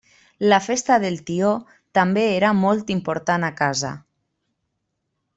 La festa del tió també era molt important a casa.